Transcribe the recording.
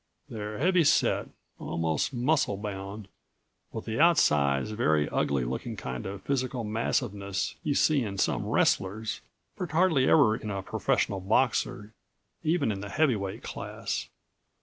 They're heavyset, almost muscle bound, with the outsize, very ugly looking kind of physical massiveness you see in some wrestlers, but hardly ever in a professional boxer even in the heavyweight class.